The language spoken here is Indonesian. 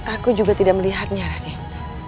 aku juga tidak melihatnya raden